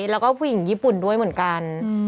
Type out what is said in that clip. แล้วก็ผู้หญิงญี่ปุ่นด้วยเหมือนกัน